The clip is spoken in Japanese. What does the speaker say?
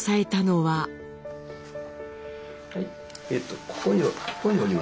はい。